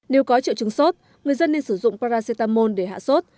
nếu có triệu chứng sốt người dân nên sử dụng paracetamol để hạ sốt